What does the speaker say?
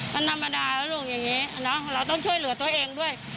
มันธรรมดาแล้วลูกอย่างนี้เราต้องช่วยเหลือตัวเองด้วย